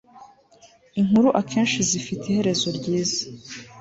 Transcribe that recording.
Inkuru akenshi zifite iherezo ryiza